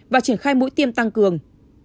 và triển khai mũi tiêm tăng cường